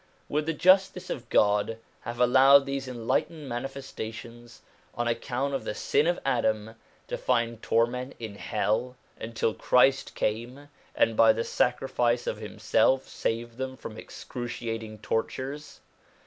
Would the justice of God have allowed these enlightened Manifestations, on account of the sin of Adam, to find torment in hell, until Christ came and by the sacrifice of himself saved them from excruciating tortures